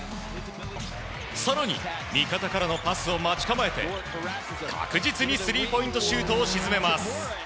更に、味方からのパスを待ち構えて確実にスリーポイントシュートを沈めます。